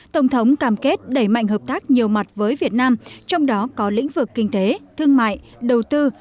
tổng thống cam kết đẩy mạnh hợp tác nhiều mặt với việt nam trong đó có lĩnh vực kinh tế thương mại đầu tư